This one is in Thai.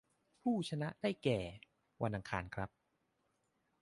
ผู้ชนะได้แก่ วันอังคารครับ